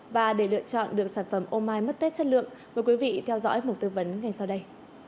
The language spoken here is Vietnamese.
và để lựa chọn được sản phẩm ô mai mất tết chất lượng mời quý vị theo dõi một tư vấn ngay sau đây